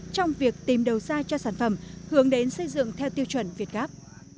trong việc tìm đầu ra cho sản phẩm hướng đến xây dựng theo tiêu chuẩn việt gáp